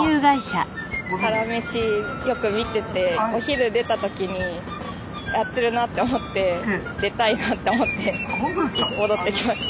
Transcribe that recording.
「サラメシ」よく見ててお昼出た時にやってるなって思って出たいなって思って戻ってきました。